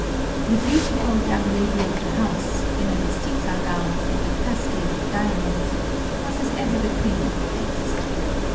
The beautiful young lady of the house, in a mestiza gown and a cascade of diamonds, was as ever the queen of the feast..